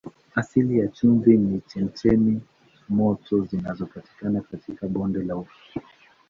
Asili ya chumvi hii ni chemchemi moto zinazopatikana katika bonde la Ufa.